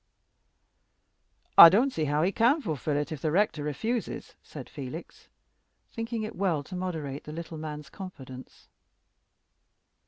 "I don't see how he can fulfill it if the rector refuses," said Felix, thinking it well to moderate the little man's confidence.